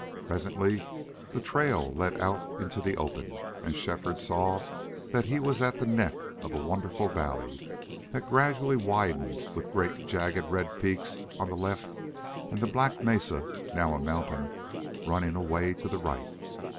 Presently the trail led out into the open, and Shefford saw that he was at the neck of a wonderful valley that gradually widened with great jagged red peaks on the left and the black mesa, now a mountain, running away to the right.